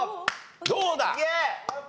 どうだ？